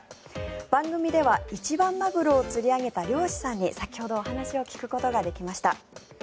番組では一番マグロを釣り上げた漁師さんに先ほどお話を聞くことができました。